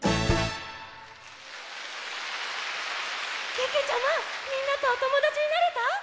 けけちゃまみんなとおともだちになれた？